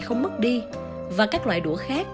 không mất đi và các loại đũa khác